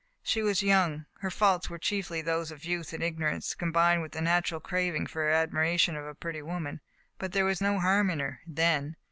She was young. Her faults were chiefly those of youth and igno rance, combined with the natural craving for ad miration of a pretty woman. But there was no harm in her — then.